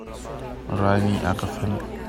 Rai nih a ka fanh.